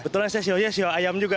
kebetulan saya ceo nya ceo ayam juga